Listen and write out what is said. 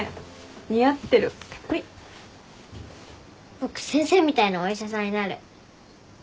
僕先生みたいなお医者さんになる。